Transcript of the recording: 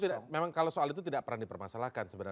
itu tidak memang kalau soal itu tidak peran dipermasalahkan